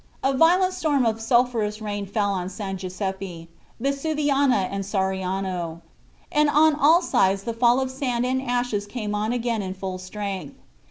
A violent storm of sulphurous rain fell at San Giuseppe, Vesuviana and Sariano, and on all sides the fall of sand and ashes came on again in full strength.